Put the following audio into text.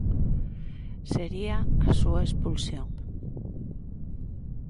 Sería a súa expulsión.